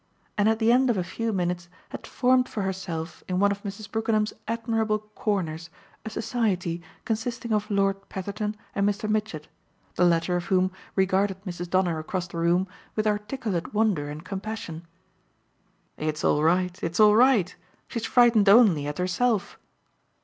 and at the end of a few minutes had formed for herself in one of Mrs. Brookenham's admirable "corners" a society consisting of Lord Petherton and Mr. Mitchett, the latter of whom regarded Mrs. Donner across the room with articulate wonder and compassion. "It's all right, it's all right she's frightened only at herself!"